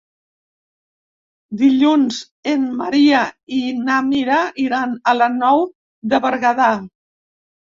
Dilluns en Maria i na Mira iran a la Nou de Berguedà.